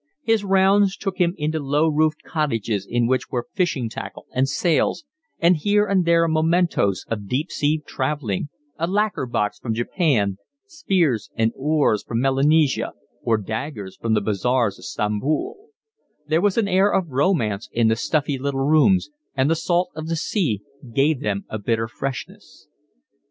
His rounds took him into low roofed cottages in which were fishing tackle and sails and here and there mementoes of deep sea travelling, a lacquer box from Japan, spears and oars from Melanesia, or daggers from the bazaars of Stamboul; there was an air of romance in the stuffy little rooms, and the salt of the sea gave them a bitter freshness.